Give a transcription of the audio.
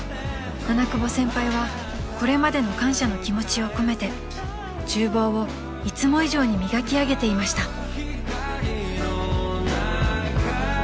［七久保先輩はこれまでの感謝の気持ちを込めて厨房をいつも以上に磨き上げていました］